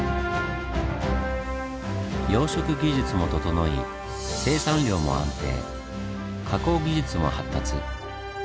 養殖技術も整い生産量も安定加工技術も発達。